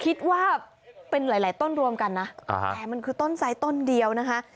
คิดว่าเป็นหลายต้นรวมกันนะแต่มันคือต้นไซสต้นเดียวนะคะ